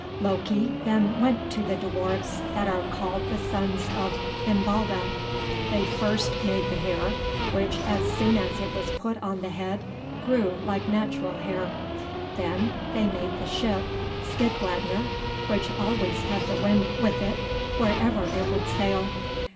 Loki then went to the dwarfs that are called the sons of Ivallda. They first made the hair, which, as soon as it was put on the head, grew like natural hair. Then they made the ship Skidbladnir, which always had the wind with it wherever it would sail.